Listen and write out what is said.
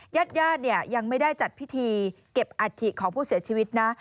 ญาติแย่นยังไม่ได้จัดพิธีเก็บอาทิตย์ของผู้เสียชีวิตนะ